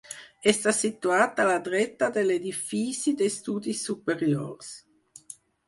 Està situat a la dreta de l'edifici d'estudis superiors.